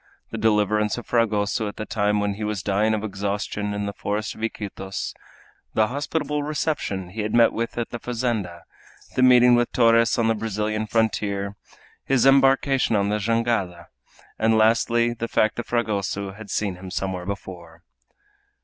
The deliverance of Fragoso at the time when he was dying of exhaustion in the forest of Iquitos; the hospitable reception he had met with at the fazenda, the meeting with Torres on the Brazilian frontier, his embarkation on the jangada; and lastly, the fact that Fragoso had seen him somewhere before.